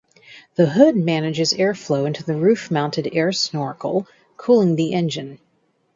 The hood manages airflow into the roof mounted air snorkel cooling the engine.